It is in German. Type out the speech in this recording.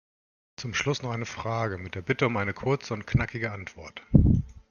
Zum Schluss noch eine Frage mit der Bitte um eine kurze und knackige Antwort.